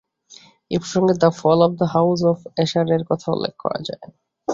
এ প্রসঙ্গে the fall of the house of অ্যাশার-এর কথা উল্লেখ করা যায়।